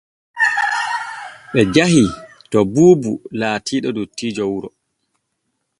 Ɓe jahii to Buubu laatiiɗo dottiijo wuro.